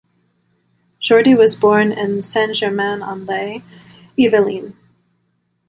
Jordy was born in Saint-Germain-en-Laye, Yvelines.